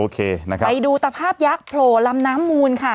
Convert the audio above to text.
ไปดูตภาพยักษ์โผล่ลำน้ำมูลค่ะ